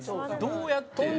どうやって。